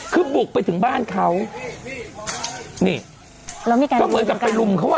คือบุกไปถึงบ้านเขานี่เรามีการกลับไปลุมเขาอ่ะ